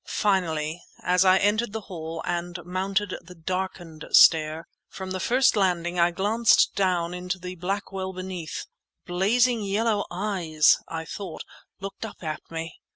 Finally, as I entered the hall and mounted the darkened stair, from the first landing I glanced down into the black well beneath. Blazing yellow eyes, I thought, looked up at me!